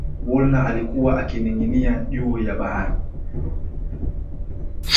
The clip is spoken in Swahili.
woolner alikuwa akininginia juu ya bahari